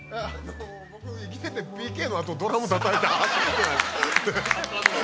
僕、生きててＰＫのあとドラムたたいたの初めて。